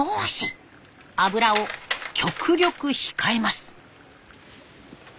油を極力控えます。